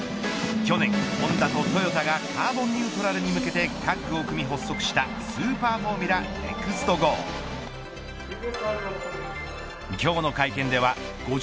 去年、ホンダとトヨタがカーボンニュートラルに向けてタッグを組み発足したスーパーフォーミュラＮＥＸＴ５０